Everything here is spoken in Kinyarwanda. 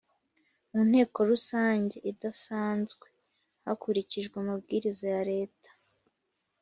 mu Nteko Rusange idasanzwe hakurikijwe amabwiriza ya leta